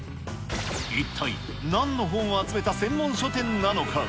一体なんの本を集めた専門書店なのか。